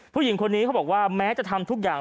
ผู้หญิงคนนี้เขาบอกว่าแม้จะทำทุกอย่าง